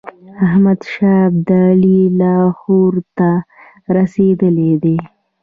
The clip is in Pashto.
احمدشاه ابدالي لاهور ته رسېدلی دی.